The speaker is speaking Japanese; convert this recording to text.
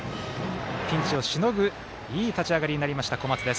ピンチをしのぐいい立ち上がりになりました小松。